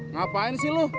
ngapain sih lu